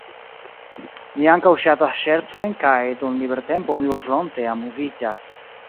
Mi ankaŭ ŝatas ŝercojn kaj dum libertempo mi volonte amuziĝas.